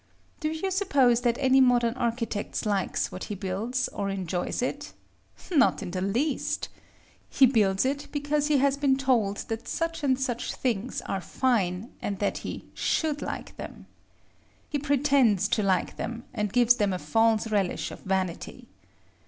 Do you suppose that any modern architect likes what he builds, or enjoys it? Not in the least. He builds it because he has been told that such and such things are fine, and that he should like them. He pretends to like them, and gives them a false relish of vanity.